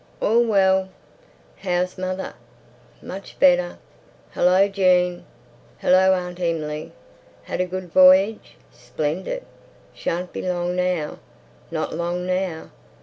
"All well." "How's mother?" "Much better." "Hullo, Jean!" "Hillo, Aun' Emily!" "Had a good voyage?" "Splendid!" "Shan't be long now!" "Not long now."